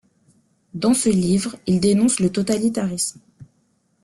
Dans ce livre, il dénonce le totalitarisme.